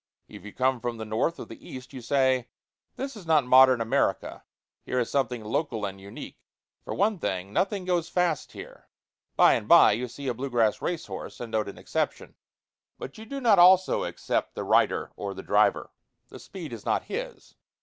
If you come from the North or the East, you say: "This is not modern America. Here is something local and unique. For one thing, nothing goes fast here." By and by you see a blue grass race horse, and note an exception. But you do not also except the rider or the driver. The speed is not his.